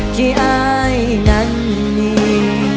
ที่อายนั้นมี